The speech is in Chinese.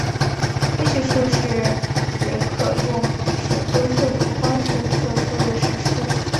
规矩数是指可用尺规作图方式作出的实数。